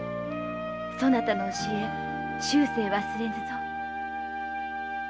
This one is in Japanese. そなたの教え終生忘れぬぞ。